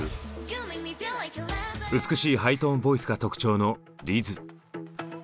美しいハイトーンボイスが特徴のリズ。